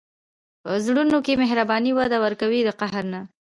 په زړونو کې مهرباني وده ورکوي، د قهر نه.